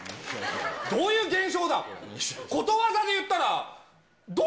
どういう現象だ、これ。